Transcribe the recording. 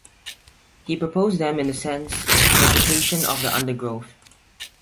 He proposed them in the sense "Vegetation of the undergrowth".